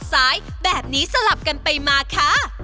ซ้ายแบบนี้สลับกันไปมาค่ะ